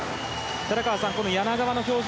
寺川さん、柳川の表情